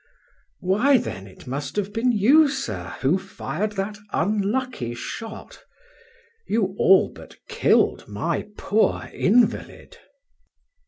"Why, then, it must have been you, sir, who fired that unlucky shot! You all but killed my poor invalid."